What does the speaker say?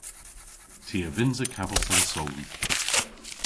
Ty a vynnsa kavos an soodh!